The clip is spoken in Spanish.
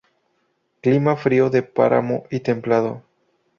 Clima: frío, de páramo y templado.